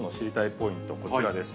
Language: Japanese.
ポイント、こちらです。